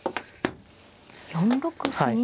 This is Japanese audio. ４六歩に。